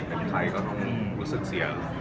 เป็นใครก็ต้องรู้สึกเสีย